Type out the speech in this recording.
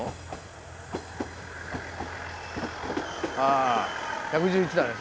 あ１１１だね